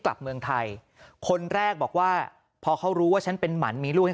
กลับเมืองไทยคนแรกบอกว่าพอเขารู้ว่าฉันเป็นหมันมีลูกให้